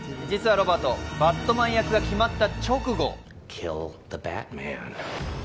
実はロバート、バットマン役が決まった直後。